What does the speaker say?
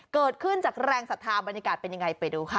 เกิดขึ้นจากแรงศรัทธาบรรยากาศเป็นยังไงไปดูค่ะ